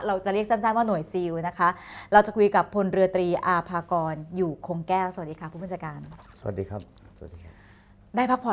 เราจะเรียกสั้นว่าหน่วยซิลนะคะเราจะคุยกับพลเรือตรีอาภากรอยู่คงแก้วสวัสดีค่ะผู้บัญชาการสวัสดีครับสวัสดีค่ะได้พักผ่อน